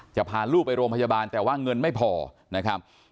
พาลูกไปโรงพยาบาลแต่ว่าเงินไม่พอนะครับ